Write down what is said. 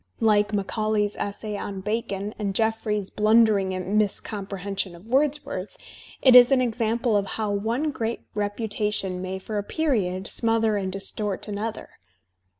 Like Macaulay's essay on Bacon and JeflFrey's blundering miscomprehension of Wordsworth, it is an exam ple of how one great reputation may for a period smother and distort another.